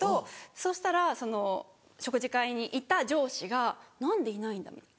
そしたら食事会にいた上司が「何でいないんだ」みたいな。